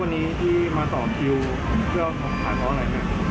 วันนี้ที่มาตลอดคิวว่าอะไร